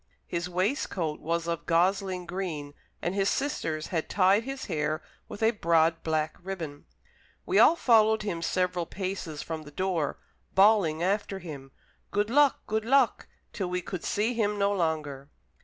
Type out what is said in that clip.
His waistcoat was of gosling green, and his sisters had tied his hair with a broad black ribbon. We all followed him several paces from the door, bawling after him: "Good luck, good luck!" till we could see him no longer.